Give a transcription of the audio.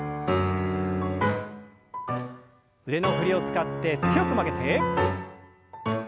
腕の振りを使って強く曲げて。